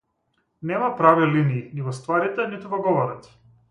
Нема прави линии, ни во стварите, ниту во говорот.